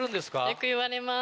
よく言われます。